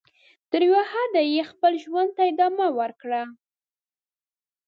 تر یوه حده یې خپل ژوند ته ادامه ورکړه.